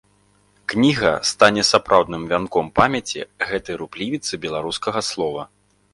Кніга стане сапраўдным вянком памяці гэтай руплівіцы беларускага слова.